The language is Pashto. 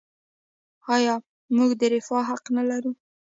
آیا موږ د رفاه حق نلرو؟